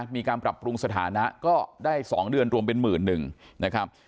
มีการปรับปรุงสถานะก็ได้๒เดือนรวมเป็น๑๑๐๐๐บาท